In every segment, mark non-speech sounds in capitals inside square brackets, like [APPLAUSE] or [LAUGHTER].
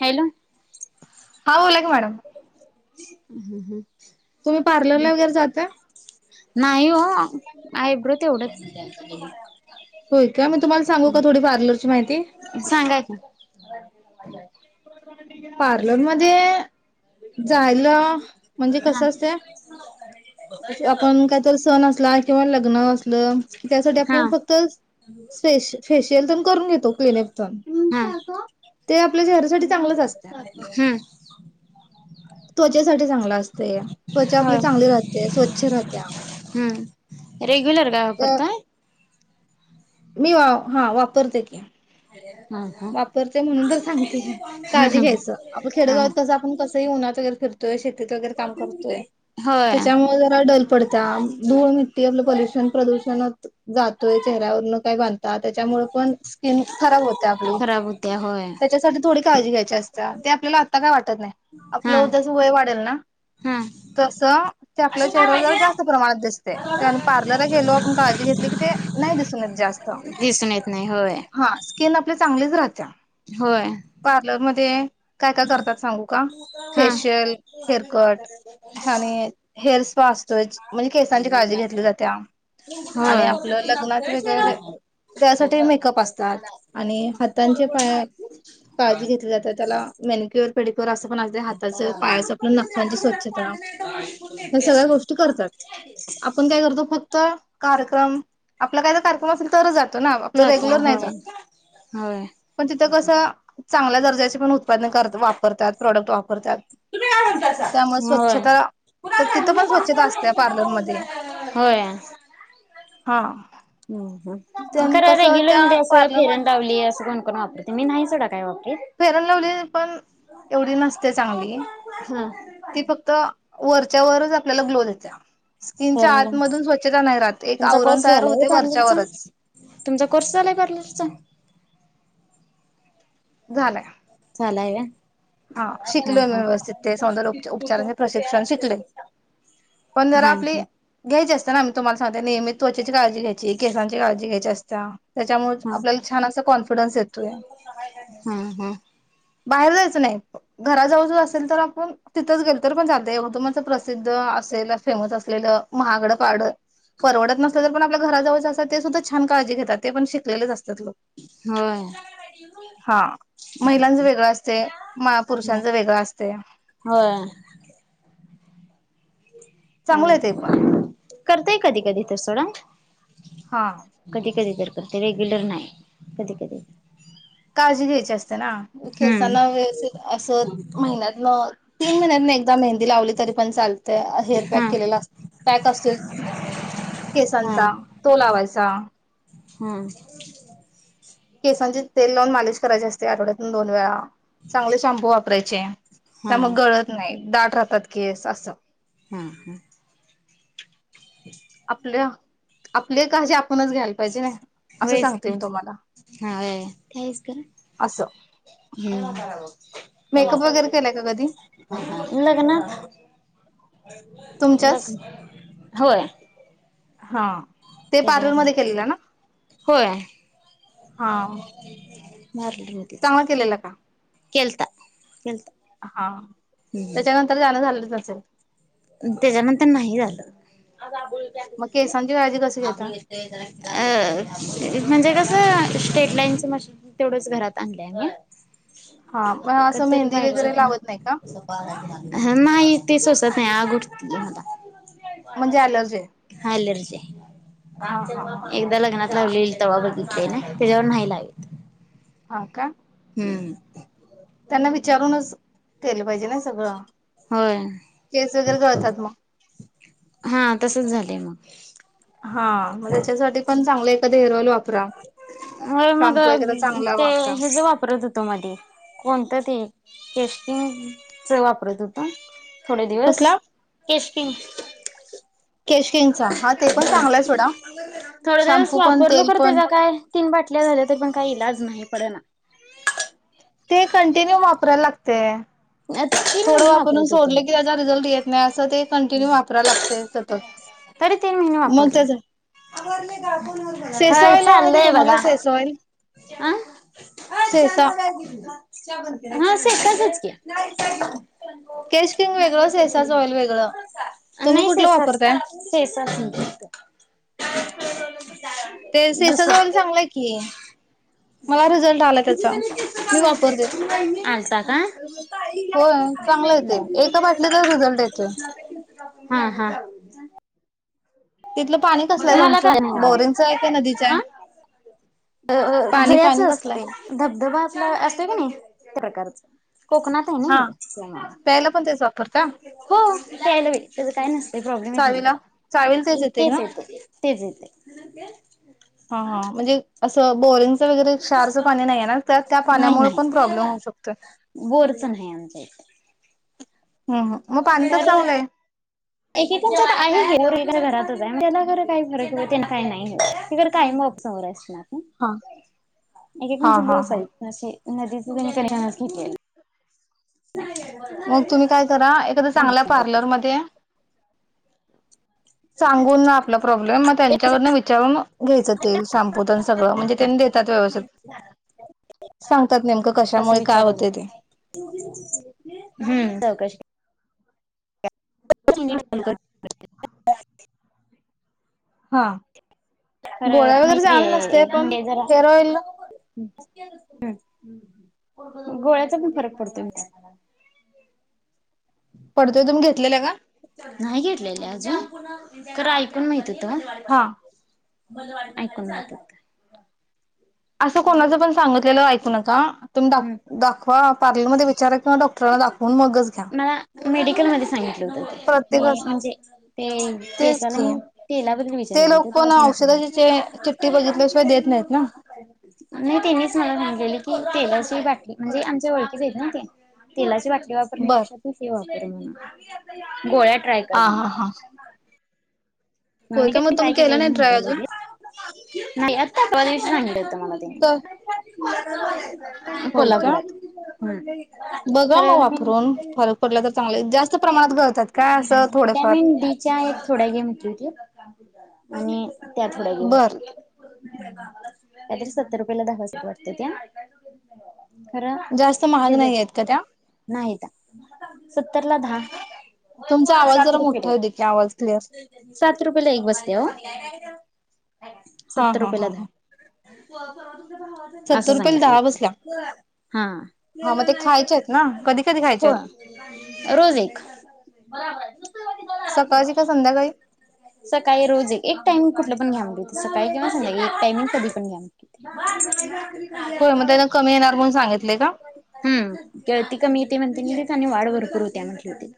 Hello हां ओले madam [INAUDIBLE] तुम्ही पार्लरला वगैरे जाता? नाही हो आयब्रो तेवढं. होयं. या मी तुम्हाला सांगू का थोडी पार्लर ची माहिती. सांगायचं [INAUDIBLE] पार्लर मध्ये जायला म्हणजे कस हा असते आपण काहीतरी सण असला किंवा ल [UNINTELLIGIBLE] त्यासाठी हा आपण फक्त फेश फेश सेंद्रम करून घेतो क्लिनिक हा पणं ते आपल ते चांगलंच असतय. हम्म त्वचेसाठी चांगला असतेय. त्वचा हो आपली चांगली राहते, स्वच्छ राहतया. हम्म रेग्युलर का तर वापरताय मी वा हा. वापरते की. [INAUDIBLE] वापरते. म्हणून, तर सांगते काळजी हम्म घ्यायचं. आपलं खेडगावात हम्म कसं आपण कसंही उन्हात वगैरे फिर [UNINTELLIGIBLE] तीत वगैरे काम करतोय. होय त्याच्यामुळे जरा डल पडत्या. धूळ, मिट्टी आपलं पल्युशन प्रदूषणात जात तोय चेहऱ्यावर न काय बांधता त्याच्यामुळे पण स्किन खराब होत आपली, खराब होत्या होय त्याच्यासाठी थोडी काळजी घ्यायची असते ते आपल्याला आत्ता काय वाटत त नाही हा आपलं उद्याचं वय वाढेल ना हा तस ते आपल्या चेहऱ्यावर ज जास्त प्रमाणात दिसते. ते आणि पार्लरला गेलो आपण काळजी घेतली की, ते नाही दिसून येत जास्त. दिसून येत नाही होय हा. चांगलीच राहत्या. होय. ते काय, काय करतात सांगू का? हा फेशियल, हेअरकट आणि हेअर स्पा असतो. म्हणजे केसांची काळजी घेतली जात्या. आणि होय आपलं लग्नात वगैरे त्याच्यासाठी मेकअप असतात. आणि हातांचे पाय काळजी घेतली जात्या त्याला मेनिक्युअर, पेडिक्युअर बरं असं पण असतं हाताच, पायाच आपण नखाची स्वच्छता, या सगळ्या गोष्टी करतात. आपण काय करतो फक्त कार्यक्रम आपला काय कार्यक्रम असेल तरच जाते हो ना आपलं जातो रेग्युलर नाही होय जात. होय पण तिथं कस चा चांगल्या दर्जाचे उत्पन्न कर वापरतात. प्रोडक्ट वापरतात त्यामुळे स्वच्छता तर तिथं पण स्वच्छता असते पार्लरमध्ये होय. होय. हा. ह ह त्यां खरं कसं रेग्युलर त्या मध्ये असं पार्लर फेरन मध लवली असं कोण कोण वापरतं मी नाही सोडा काय वापरत फेरन लवली पण एवढी नसत्या चांगली. हा ती फक्त वर चेहऱ्यावरच आपल्याला ग्लो देते स्किनच्या फेरन लावली आतमधून स्वच्छता नाही राहत एक तुमचा आवरण कोर्स तयार झालाय होय होते पार्लरचा? वरच्यावरच तुमचा कोर्स झालाय पार्लरचा? झालंय झाला या हा शिकलोय म व्यवस्थित ते सौंदर्य उपचारांचे प्रशिक्षण शिकले पण जरा हा हा. आपली घ्यायचे असते ना मी तुम्हाला सांगते नियमित त्वचेची काळजी घ्यायची केसांची काळजी घ्यायची असता त्याच्यामुळे हा आपल्याला छान असा कॉन्फिडन्स येतोय हा हा हा बाहेर जायचं नाही घराजवळ ज असेल तर आपण तिथंच गेल तर पण जात येवदु माच प्रसिद्ध असेल फेमस असलेलं महागडपाड परवडत नसलं तर पण आपल्या घराजवळच असेल ते सुद्धा छान काळजी घेतात ते पण शिकलेलंच असत होय. हा महिलांच वेगळं असते म पुरुषांच वेगळं असते होय चांगलंय ते पण करताय कधी कधी तर सोडंत हा. कधी कधी तर ते रेग्युलर नाही कधी कधी काळजी घ्यायची असते केसांना हम्म व्यवस्थित अस महिन्यातन तीन महिन्यातन एकदा मेहंदी लावली तरी पण चालते हेअर हा पॅक केलेला पॅक असत केसांचा तो लावायचा हम ांची तेल लावून मालश करायची असते आठवड्यातून दोन वेळा चांगले शांम्पू परचय त्या हा मग गळत नाही दाट राहतात केस असं हम हम आपल्या आपले का जे होयच तुम्हाला हा तेच असं खरा मेकअप वगैरे केलाय का कधी हम् लग्नात न तुमच्याच होय हा ते पार्लर त्याच्यावर मध्ये नाही केलेलं ना होय हा मारले होतीच चांगला केलेला का केलत केत हा त्याच्यानंतर जाणं झालं नसेल. त्याच्यानंतर नाही झालं. मग केसांची काळजी कशी आ घेता म्हणजे कसं स्टेट लाईनच मशीन तेवढच घरात आणलंय मी. हा मग असं कधीतरी मेहंदी बाहेर वगैरे जातना लावत नाही का हा नाही. ते सोसत नाही. नाही आग उठतंय मला. म्हणजे अलर्जी आहे हालर्जी हा हा हा आहे, एकदा लग्नात लावलेल तेव बघितले ना, त्याच्यावर नाही लावेत. हा का. हम्म. त्यांना विचारूनच केलं पाहिजे ना सगळं. होय केस वगैरे कळतात मग. हा तसच झालंय मग. हा मग त्याच्यासाठी पण चांगलं एखां हेअर ऑइल वाप होय मग चांगला ते वापरा. हेच वापरत होतो मध्ये कोणतं ते केश कीं च वापरत होतो. थोडे दिवस कसला? केशकिंग. केश किंगचा हा ते पण चांगला आहे सोडा. थोड दिवस शॅम्पू पण वापरलो तेल कर पण त्याचा काय तीन बाटल्या झाल्या तर पण काही इलाज नाही. पडना. ते कंटिन्यू वापरायला लागतेय. तीन थोडं महिने वापरून वापरत होतो सोडलं मी की त्याचा रिझल्ट येत नाही असं ते कंटिन्यू वापरा लागते सतत तरी तीन महिने मग वापरला. त्याच होय सेसॉईल माहिती चाललंय तुम्हाला बघा. सेसॉईल सेसा. ह शेतातच की. नाही केश किंग वेगळं सेसाचं ऑइल वेगळं. [UNINTELLIGIBLE] तुम्ही नाही कुठलं सेसा वापरताय? सेसा ते सेसाच ऑइल चांगलाय की मला रिझल्ट आला त्याचा मी वापरतो. आलता का रिझल्ट येतोय. [UNINTELLIGIBLE] हा हा. तिथलं पाणी कसलंय मला तुमचं काय बोरिंगचं आहे काय नदीचं आहे? अ पाणी जळ्याच पाणी कसलंय? असते धबधबा आपला असतोय कणी नाही त्या प्रकार चा. कोकणात आहे हा नाही प्यायला पण तेच वापरता होल [UNINTELLIGIBLE] तेज काही नस तय प्रॉब्लेम येत नाही चावीला तेला चावीला ना? तेच येते तेच येते. हा हा म्हणजे असं बोरन्स क्षच पाणी नाही त्या नाही पाण्यामुळे पण नाही प्रॉब्लेम होऊ शकत बोरच नाही आमच्या इथे तर एकेक आहे घ घरात त्याला खर काही फरक त्या काही नाहीर काय मप समोर असणार हा हा एकेकांच हा हा बसह असे नदीचण घेत मग तुम्ही काय करा एखादा चांगला पार्लर मध्ये सांगून ना आपला प्रॉब्लेम मग त्यांच्यावर न विचारून घ्यायचं तेल शम्पू सगळं म्हणजे त्यांनी देतात व्यवस्थित सांगतात नेमकं तसं कशामुळे काय होते ते विचारायला हम्म फोन कर हा खरं गोळ्या वगैरे जाले नसते नाहीये पण म्हणजे जरा हेअर ऑइल गोळ्याचा पण फरक पडतो पडतोय तुम्ही घेतलेला का नाही घेतलेले अजून खर ऐकून माहिती त हा ऐकून जात असं कोणाचं पण सांगितलेलं ऐकू नका तुम्ही हम्म दाखवा पार्लर मध्ये विचारा किंवा डॉक्टरला दाखवून मगच घ्या मेडिकलमध्ये सांगित ण प्रत्येकाच तेच केसाला की म तेलाबद्दल ते लोक विचारलनीच पण औषधाची चिठ्ठी बघितल्याशिवाय देत नाहीत ना मला म्हटले की तेला म्हणजे आमच्या वळ ते तेलाची बॉटल बर [UNINTELLIGIBLE] ह गोळ्या ट्राय हा करना हा हा का होय मग ट्राय तुम्ही केला केले नाही ट्राय त्या अजून लेच आ नाही तर [INAUDIBLE] हो होय का कोल्हापुरात बघा खर मग म वापरून फरक पडला तर चांगले जास्त प्रमाणात गळतात काय असं थोडेफार विटॅमिन डीच्या एक थोड्या घेतला होत आणि त्या थोड्या घेऊन बर शल काय तरी सत्तर रुपयाला दहा सुत वाटत्यात्या. खर [INAUDIBLE] जास्त महाग नाही आहेत का त्या नाहीता. सत्तर ला दहा. तुमचा आवाज सात जरा मोठा होऊ दे की आवाज क्लिअर किती रुपयला एक बसतीया ओ? हा सत्तर हा रुपयेला हा दहा. हा [UNINTELLIGIBLE] सत्तर असं रुपयाला सांगण्यात दहा आलंत बसल्या हा [INAUDIBLE] हा मग ते खायचे आहेत ना कधी कधी खायचे आहेत होय रोज एक. सकाळची का संध्याकाळी सकाळी रोज एक. एक टाइमिंग कुठलं पण घ्या होे सकाळी किंवा संध्याकाळी एक टाइमिंग कधी पण घ्या म्हटलेत. होय मग त्यान कमी येणार म्हणून सांगितले का हम्म, गळती कमी येते म्हन आणि वाढ भरपूर होत्या म्हटले होते.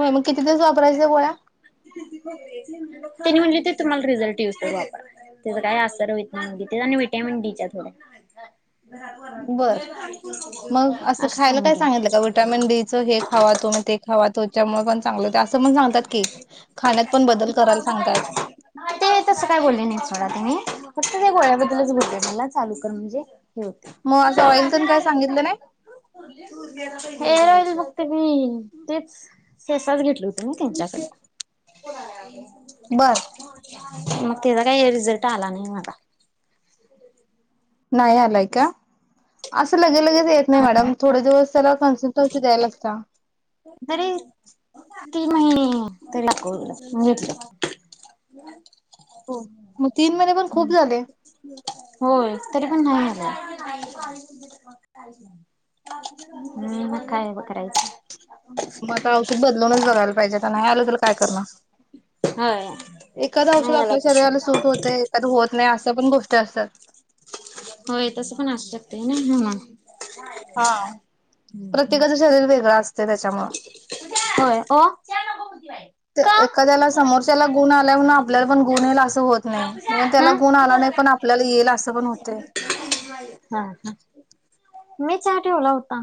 होय मग किती दिवस वापरायच्या गोळ्या? त्यांनी म्हणलितीत तुम्हाला रिझल्ट येऊस तोवर वापरा. त्याचा काय असर व्हित नाहीत म्हटलीत ते जा आणि विटॅमन डीच्या गोळ्या. बर मग असं खायला काय सांगितलं का? विटामिन डीचं हे खावा तुम्ही ते खावा. त्यामुळे पण चांगल टा तसं पण सांगतात की, खाण्यात पण बदल करायला सांगतात. ते तसं काय बोलले नाही सोडा त्यांनी फक्त ते गोळ्याबद्दलच बोलले मला चालू कर म्हणजे मग [INAUDIBLE] असं ऑइल पण काय सांगितलं नाही हेअर ऑईल फक्त मी तेच सेसाच घेतल हो नव्ह त्यांच्याकडन. [INAUDIBLE] बर. मग त्याचा काही रिझल्ट आला नाही मला. नाही आलाय का? [INAUDIBLE] असो लगे लगेच येत नाही मॅडम थोडे दिवस त्याला सांगशील पैसे द्यायला सांग. तरी तीन महिने [UNINTELLIGIBLE] [INAUDIBLE] [INAUDIBLE] हो मग तीन महिने पण खूप हम् झाले. होय, तरी पण नाही आ [INAUDIBLE] म मग काय ब करायचं? मग आता औषध बदलूनच बघायला पाहिजे आता नाही आल तेला काय करणार. होय. एखादं औषध नाही आला आपल्या तस शरीराला सूट होतय एखादं होत नाही असं पण गोष्टी असतात. होय तसं पण असु शकतय नाही म्हणून. हा हम्म प्रत्येकाच शरीर वेगळ अस तय त्याच्यामुळ होय ओ [INAUDIBLE] ते का एखाद्याला समोरच्याला गुण आलाय म्हणून आपल्याला पण गुण येईल असं होत नाही. म हा त्याला हा गुण आला नाही पण आपल्याला येईल असं पण होतय. हा मी चहा ठेवला होता.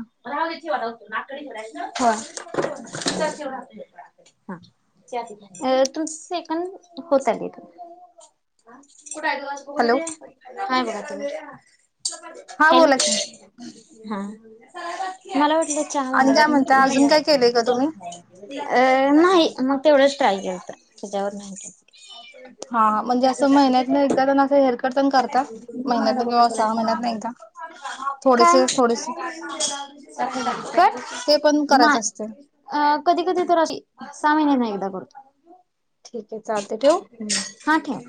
हॅलो [UNINTELLIGIBLE] [UNINTELLIGIBLE] [INAUDIBLE] हा हॅलो बोला की हा [UNINTELLIGIBLE] चहा आणि काय म्हणता अजून महागला काय केलंय का तुम्ही अ नाही मग तेवढं काल गेलता हा हा म्हणजे [INAUDIBLE] असं महिन्यातन एकदा काय त्यांना असं हेअरकट पण करतात. कट महिन्यातन किंवा नाय सहा महिन्यातन एकदा अ कधी थोडेसे थोडेसे कधी तर ते पण असं करायचं असते. सहा महिन्यांनी एकदा बघा ठीक आहे चालते ठेवू? हा काय